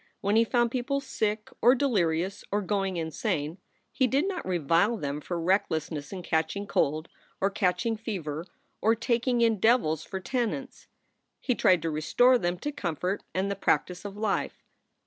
When he found people sick or delirious or going insane, he did not revile them for recklessness in catching cold or catching fever or taking in devils for tenants. He tried to restore them to comfort and the practice of life.